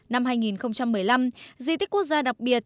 năm hai nghìn một mươi năm di tích quốc gia đặc biệt chùa bút tháp bắc ninh